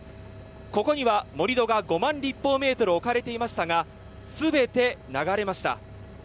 ここには盛り土が５万立方メートル置かれていましたが全て流れました。